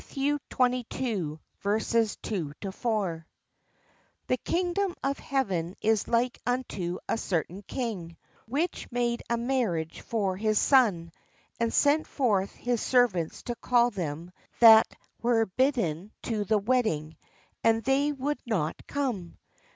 XXIL, 2 14 THE WEDDING GUESTS HE kingdom of heaven is like unto a certain king, which made a marriage for his son, and sent forth his servants to call them that were bidden to the wed ding: and they would not come.